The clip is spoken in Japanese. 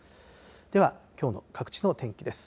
では、きょうの各地の天気です。